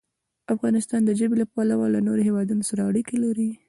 افغانستان د ژبې له پلوه له نورو هېوادونو سره اړیکې لري.